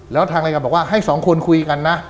แล้วทางรายการบอกว่าให้สองคนคุยกันนะ